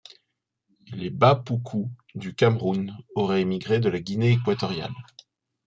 Les Bapuku du Cameroun auraient émigré de la Guinée-Équatoriale.